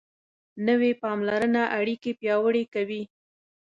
نوې پاملرنه اړیکې پیاوړې کوي